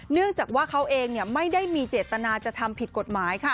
เนื่องจากว่าเขาเองไม่ได้มีเจตนาจะทำผิดกฎหมายค่ะ